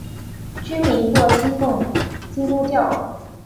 居民多信奉基督教。